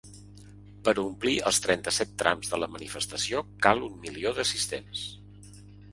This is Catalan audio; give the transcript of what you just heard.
Per omplir els trenta-set trams de la manifestació, cal un milió d’assistents.